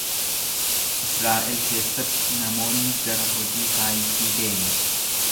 Israa’el keessatti namoonni gara hojii saayinsii deemu.